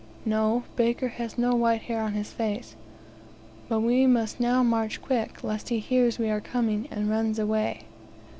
No; Baker has no white hair on his face. But we must now march quick, lest he hears we are coming, and runs away.